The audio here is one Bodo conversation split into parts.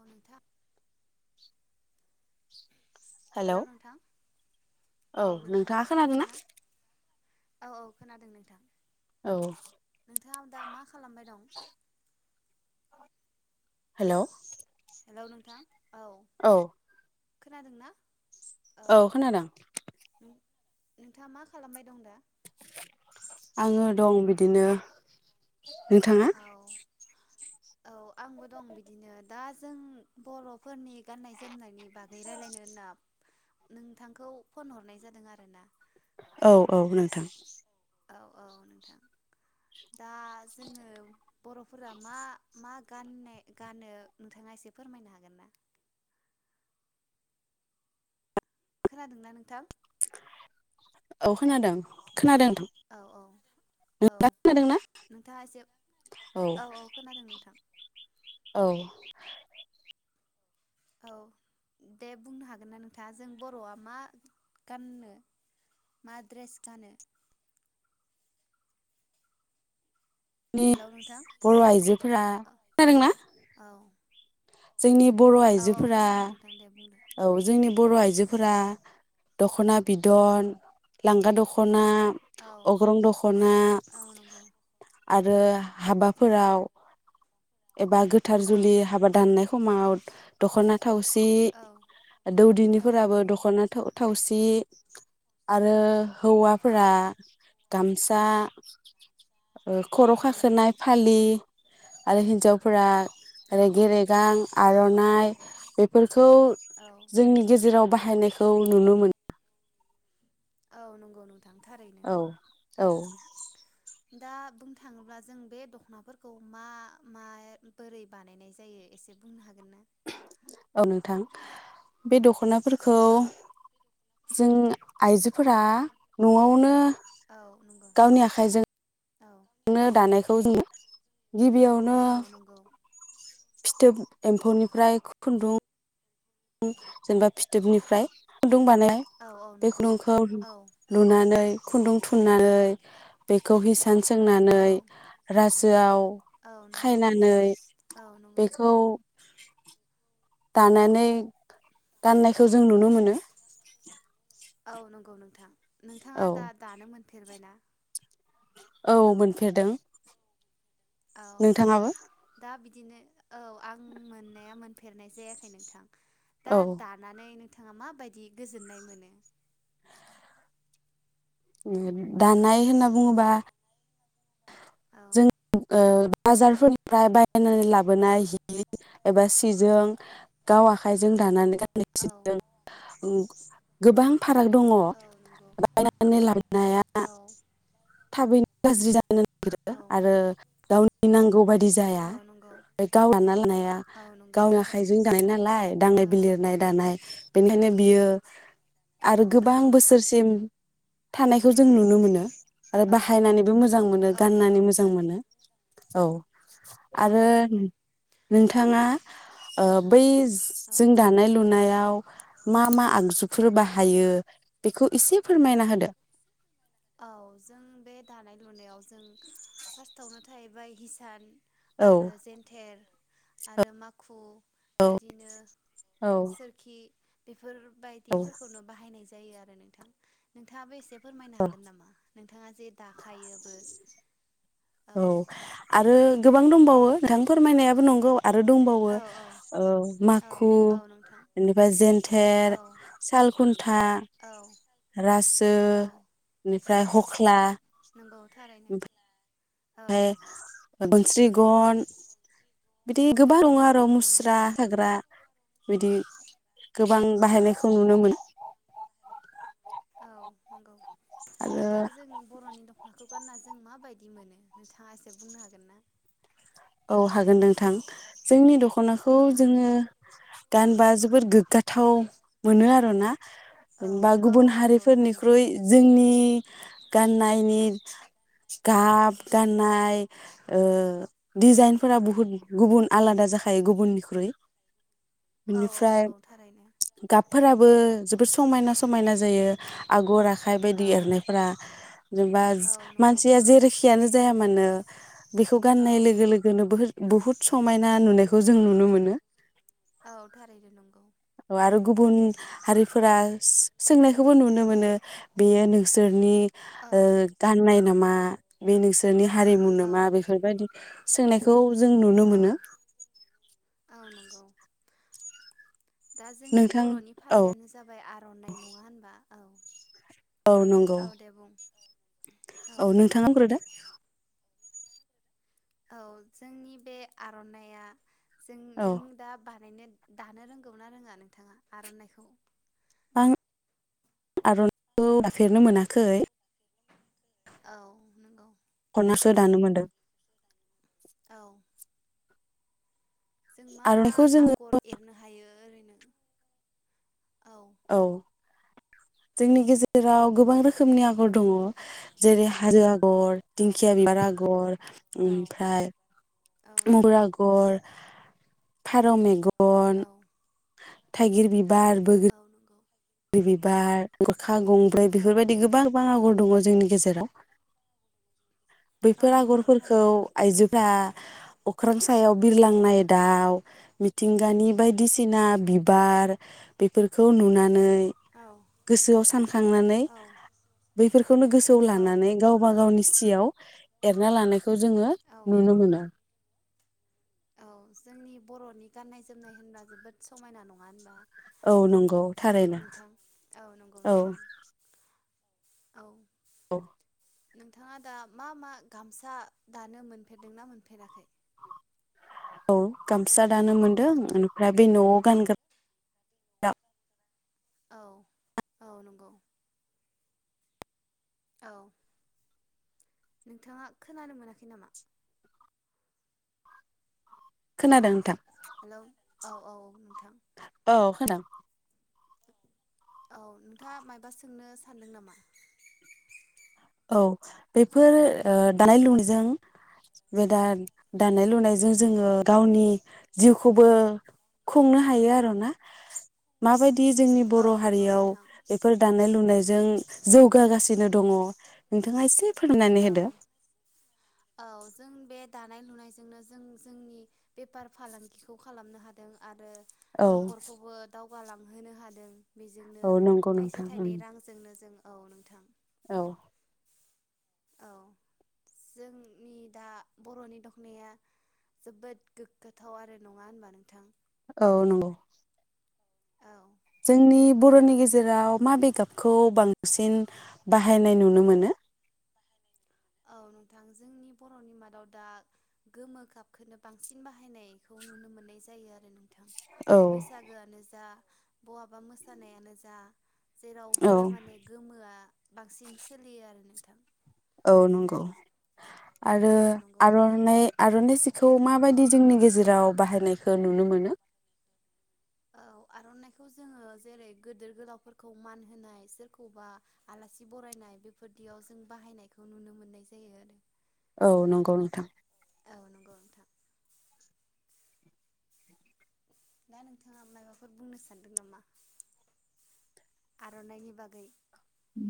औ नोंथा [inaudible] हेलौ नोंथां औ नोंथां नोंथाङा खोनादों ना? खोनादोंना औ औ खोनादों नोंथां औ नोंथाङा दा मा खालामबाय दं हेल' हेलौ नोंथां औ औ खोनादोंंना? औ खोनादों नोंथाङा मा खालामबाय दं दा? आङो दं बिदिनो नोंथाङा औ औ आंबो दं बिदिनो दा जों बर'फोरनि गाननाय जोमनायनि बागै रायज्लायनो होनना नोंथांखौ फन हरनाय जादों आरोना औ औ नोंथां औ औ नोंथां दा जोङो बर'फोरा मा मा गान गानो नोंथाङा एसे फोरमायनो हागोन ना? खोनादोंना नोंथां? औ खोनादों खोनादों नोंथां औ औ औ खोनादोंना नोंथाङा एसे औ औ खोनादों नोंथां औ औ दे बुंनो हागोन ना नोंथाङा जों बर'आ मा गाननो मा दड्रेस गानो? हेलौ नोंथां बर' आइजोफोरा औ खोनादोंना? औ जोंनि बर' औ आइजोफोरा खोनादों नोंथां दे बुंदो औ जोंनि बर' आइजोफोरा औ दख'ना बिदन लांगा दख'ना औ अग्रं दख'ना औ नंगौ आरो हाबाफोराव एबा गोथार औ जुलि हाबा दाननाय समाव दखना थावसि औ औ दौदिनिफोराबो नंगौ दख'ना थावसि आरो औ हौवाफोरा गामसा खर' औ खाखोनाय नंगौ फालि आरो हिनजावफोरा औ रेगेरेगां आर'नाइ बेफोर खौ औ जोंनि गेजेराव बा हायनायखौ नुनो मोनो औ नंगौ नोंथां थांरैनो औ औ दा बुंनो थाङोब्ला जों बे दख'नाफोरखौ मा मा बोरै बानायनाय जायो एसे बुंनो हागोन ना? औ नोंथां बे दख'नाफोर खौ औ जों आइजोफोरा न'आवनो औ नंगौ। औ नो दानायखौ जोङो गिबियावनो औ नंगौ फिथोब एमफौनिफ्राय खुनदुं जेनेबा फिथोबनिफ्राय खुनदुं बानाय औ औ बे नंगौ खुनदुंखौ औ लुनानै खुनदुं थुननानै बेखौ हि सान औ सोंनानै रासोआव औ नंगौ खायनानै औ नंगौ बेखौ। दानानै गाननायखौ जों नुनो मोनो। औ नंगौ नोंथां। नोंथाङा औ दा दानो मोन। फेरबायना औ मोनफेरदों औ नोंथाङाबो दा बि दिनो औ आं मोननाया मोनफेरनाय जायाखै नोंथां। औ दा दानानै नोंथाङा माबायदि गोजोननाय मोनो। दानाय होनना बुङोबा। औ जों ओ बाजारफोरनिफ्राय बायनानै लाबोनाय हि एबा सिजों गाव आखायजों दानानै औ [unintelligible] ओं गोबां फाराग दङ औ नंगौ बायनानै लाबोनाया औ थाबैनो गाज्रि जानो नागिरो औ आरो नांगौ बायदि जाया औ नंगौ ओमफ्राय गाव दाना लानाया औ नंगौ गावनि थारैनो आखाइजों दानाय नालाय दांनाय औ बिलिरनाय दानाय बेनिखायनो बियो आरो औ गोबां बोसोरसिम थानायखौ जों नुनो मोनो आरो औ बाहायनानैबो मोजां मोजां मोनो औ गाननानै नंगौ मोजां मोनो थारैनो औ औ औ आरो नंगौ नोंथाङा बै औ जों दानाय लुनायाव मा मा आगजुफोर बाहायो बेखौ इसे फोरमायना होदो औ जों बे दानाय लुनायाव जों फार्स्टआवनो थाहैबाय हिसान औ आरो जेन्थेर आरो माखु बिदिनो औ सोरखि बेफोर औ बायदिफोरखौनो बाहायनाय जायो नोंथां नोंथाङाबो एसे फोरमायना होदो हागोन नामा नोंथाङा जे दा दाखायोबो औ आरो गोबां दंबावो नोंथां फोरमायनायाबो नंगौ आरो दंबावो औ औ माखु औ नोंथां बेनिफ्राय औ जेन्थेर सालखुन्था औ रासो औ बेनिफ्राय नंगौ हख्ला नंगौ थारैनो औ ओमफ्राय [unintelligible] गन बिदि गोबां दङ औ आरो नंगौ मुस्रा नोंथां साग्रा बिदि औ गोबां नंगौ बाहायनायखौ नोंथां नुनो मोनो औ नंगौ आरो दा जों बर'नि दख'नाखौ गानना जों माबायदि मोनो नोंथाङा एसे बुंनो हागोन ना औ हागोन नोंथां जोंनि दख'ना दख'नाखौ औ जोङो गानबा जोबोर गोग्गाथाव मोनो आरो ना औ बा औ गुबुन नंगौ थारैनो हारिफोरनिख्रुइ जोंनि गाननायनि गाब गाननाय दिडजाइनफोरा बुहुद गुबुन आलादा जाखायो गुबुननिख्रुइ औ औ बेनिफ्राय नंगौ थारैनो गाब फोराबो जोबोद समायना समायना जायो आगर आखाइ बायदि औ एरनायफोरा जेनेबा औ नंगौ मानसिया जेरैखियानो जाया मानो बेखौ औ गाननाय लोगो बह बुहुत समायना नुनायखौ जों नुनो मोनो औ थारैनो नंगौ आरो गुबुन हारिफोरा सोंनायखौबो नुनो मोनो बेयो नोंसोरनि औ ओ गाननाय नामा बे नोंसोरनि हारिमु औ नोमा बेफोरबायदि [inaudible] सोंनायखौ जों नुनो औ मोनो औ नंगौ दा जोंनि नोंथां बर'नि औ फालियानो जाबाय आर'नाइ नङा होनबा औ औ नंगौ औ दे बुं औ नोंथाङा बुंग्रोदो औ जोंनि बे आर'नाइआ जों औ नों दा बानाय दानो रोंगौना रोङा नोंथाङा आर'नाइखौ आं आर'नाइखौ दाफेरनो मोनाखै औ नंगौ खनासो दानो मोन्दों औ जों मा मा आर'नाइखौ जोङो आगर एरनो हायो ओरैनो औ जोंनि गेजेराव गोबां रोखोम खोमनि दे आगर दङ बुंदो नोंथां जेरै हाजो आ गर औ दिंखिया बिबार आगर औ ओमफ्राय औ नंगौ [unintelligible] आगर फारौ मेगन औ थाइगिर बिबार बैग्रि औ नंगौ बिबार गरखा गंब्रै औ बेफोरबायदि गोबां बा आगर दङ जोंनि गेजेराव औ बैफोर नंगौ आगरफोरखौ थारैनो आइजोफ्रा अख्रां सायाव बिरलांनाय दाउ मिथिंगानि बायदिसिना बिबार बेफोरखौ नुनानै औ गोसोआव सानखांनानै औ बैफोरखौनो गोसोआव औ लानानै नंगौ गावबा गावनि सियाव एरना लानाय खौ जोङो औ नुनो मोनो। औ जोंनि बर'नि गाननाय जोमनाय होनबा जोबोद समायना नङा होनबा? औ नंगौ थारैनो नोंथां? औ नंगौ औ। नोंथां औ औ नोंथाङा दा मा मा गामसा दानो मोनफेरदोंना मोनफेराखै? औ गामसा दानो मोन्दों। ओमफ्राय बे औ नयाव गानग्रा औ औ नंगौ। औ नोंथाङा खोनानो मोनाखै नामा? खोनादों नोंथां। हेलौ औ औ औ नोंथां। औ खोना औ नोंथाङा मायबा सोंनो सानदों नामा? औ बेफोर ओ दानाय लुनायजों बे दा दानाय लुनायजों औ जोङो गावनि जिउखौबो खुंनो हायो आरो ना माबाय दि जोंनि औ बर' नंगौ हारियाव नोंथां बेफोर दानाय लु लुनायजों जौगागासिनो दङ नोंथाङा इसे औ औ जों बे दानाय लुनायजोंनो जों जोंनि बेफार फालांगिखौ खालामनो हादों आरो औ नखरखौबो दावखो जौगालांहोनो हादों। बेजोंनो औ नंगौ नोंथां थाइसे उम थाइनै रांजोंनो जों औ नोंथां औ औ जोंनि दा बर'नि दखनाया जोबोद गोगगाथाव आरो नङा होनबा नोंथां? औ नंगौ औ जोंनि बर'नि गेजेराव माबे गाबखौ बांसिन बाहायनाय नुनो मोनो? औ नोंथां जोंनि बर'नि मादाव दा गोमो गाबखौनो बांसिन बाहायनायखौ नुनो मोननाय जायो आरो नों थां औ बैसागोआनो जा बहाबा मोसानायानो जा औ जेरावबो माने गोमोआ बांसिन सोलियो आरो नोंथां औ नंगौ आरो औ नंगौ नोंथां आर'नाय आर'नाय खौ माबायदि जोंनि गेजेराव बाहायनायखौ नुनो मोनो आर'नायखौ जोङो जेरै गिदिर गोलावफोरखौ मान होनाय सोरखौबा आलासि बरायनाय बेफोरदियाव जों बाहायनायखौ नुनो मोननाय जायो आरो औ नंगौ नोंथां औ नंगौ नोंथां दा नोंथाङा माबाफोर बुंनो सानदों नामा आर'नायनि बागै उ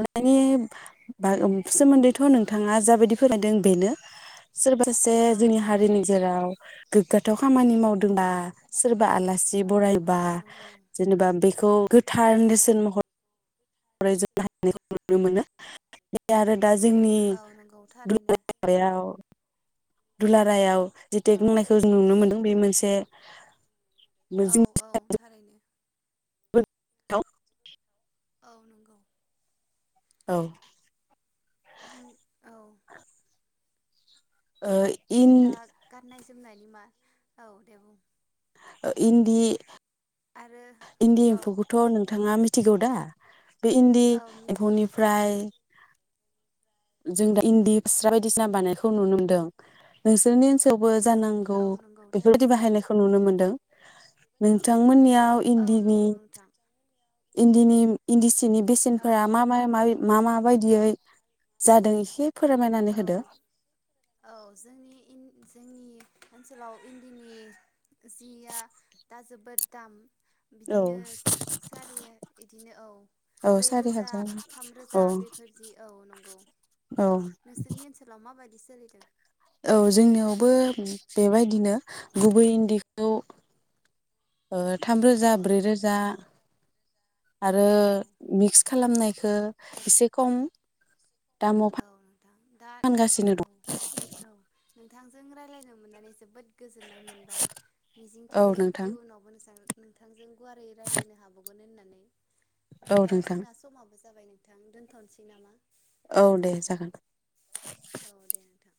आर'नायनि बा सोमोनदैथ' नोंथाङा जाबायदि फोरायदों बेनो सोरबासासे सोमोन्दैथ' नोंथाङा जाबायदि जोंनि हारिनि फोरमायदों जेराव गोगगाथाव खामानि मावदोंबा सोरबा आला सि औ बरायबा नंगौ जेनेबा बेखौ औ गोथार नेरसेन महर [unintelligible] नुनो मोनो बे आरो दा जोंनि औ नंगौ थारैनो [unintelligible] दुलाराय आव जेटेक औ ननायखौ जों नुनो मोनदों बे मोनसे औ जों औ थारैनो [unintelligible] औ नंगौ औ बुं औ ओ इन दा गानाय जोमनायनि मा औ दे बुं ओ इनदि आरो इनदि औ एमफौखौथ' नोंथाङा मि थिगौ दा बे इनदि औ मिथिगौ नोंथां एमफौनिफ्राय जों दा इनदि फास्रा बायदिसिना बानायखौ नुनो मोनदों नोंसोरनि ओनसोलाव बो जानांगौ औ नंगौ बेफोरबायदि थारैनो बाहायनायखौ नुनो मोनदों नोंथांमोननिया औ नोंगौ नोंथां इन्दिनि इन्दिसि नि औ बेसेनफोरा मा मा माइ मा मा बायदियै जादों एसे फोरमायनानै औ होदो औ जोंनि इन जोंनि ओनसोलाव इन्दिनि जिया दा जोबोद दाम औ बिदिनो सारि इदिनो औ औ सारि ब्रैरोजा हाजार थाम औ रोजा बेफोर जि औ नंगौ औ नोंसोरनि ओनसाव माबादिस सोलिदों औ जोंनियावबो बेबायदिनो गुबै इन्दिखौ ओ थाम रोजा औ नोंथां ब्रैरोजा आरो औ मिक्स खालामनायखो इसे खम दामाव औ नोंथां दा फानगासिनो औ दं औ नोंथांजों रायज्लायनो मोननानै जोबोद गोजोननाय मोनबाय औ मिजिंथियो नोंथां इयुनावबो नोंसां नोंथांजों गुवारै रायलायनो हाबावगोन होनना औ दा नोंथां जोंना समाबो जाबाय नोंथां दोनथ'नसै नामा औ दे जागोन औ दे नोंथां